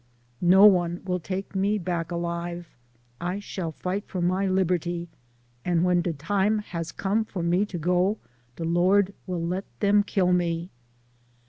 No one will take me back alive ; I shall fight for my liberty, and when de time has come for me to go, de Lord will let dem kill me."